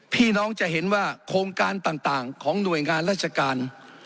พี่น้องจะเห็นว่าโครงการต่างของหน่วยงานราชการ